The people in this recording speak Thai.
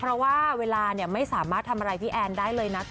เพราะว่าเวลาไม่สามารถทำอะไรพี่แอนได้เลยนะจ